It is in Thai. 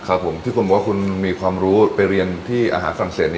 ครับผมที่คุณบอกว่าคุณมีความรู้ไปเรียนที่อาหารฝรั่งเศส